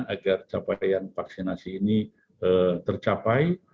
agar capaian vaksinasi ini tercapai